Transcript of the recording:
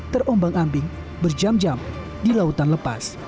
terombang ambing berjam jam di lautan lepas